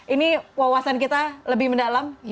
ini wawasan kita lebih mendalam